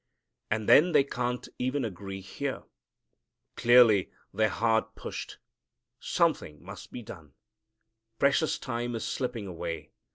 And then they can't even agree here. Clearly they're hard pushed. Something must be done. Precious time is slipping away.